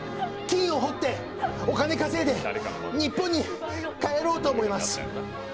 金を掘ってお金稼いで日本に帰ろうと思います。